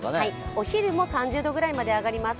お昼も３０度ぐらいまで上がります。